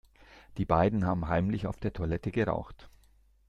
Die beiden haben heimlich auf der Toilette geraucht.